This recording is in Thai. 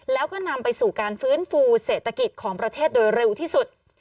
แล้วก็นำไปสู่การฟื้นฟูเศรษฐกิจของประเทศโดยเร็วที่สุด